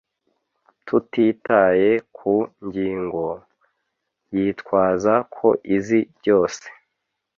tutitaye ku ngingo, yitwaza ko izi byose